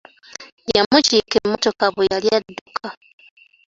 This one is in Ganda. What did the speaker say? Yamukiika emmotoka bwe yali adduka.